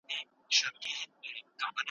طبيعي علوم بايد له ټولنيزو علومو سره پرتله کړو.